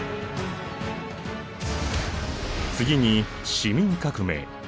次に市民革命。